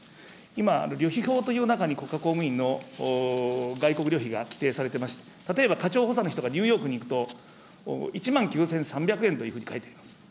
今、旅費法という中に、国家公務員の外国旅費が規定されていまして、例えば課長補佐の人がニューヨークに行くと、１万９３００円というふうに書いてあります。